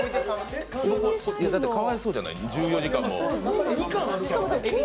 だって、かわいそうじゃない、１４時間も。